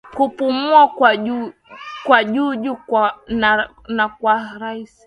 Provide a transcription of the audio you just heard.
Kupumua kwa juujuu na kwa kasi